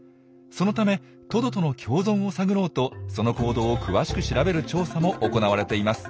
そのためトドとの共存を探ろうとその行動を詳しく調べる調査も行われています。